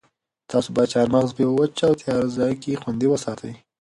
تاسو باید چهارمغز په یوه وچ او تیاره ځای کې خوندي وساتئ.